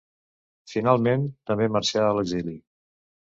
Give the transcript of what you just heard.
Finalment, també marxà a l'exili.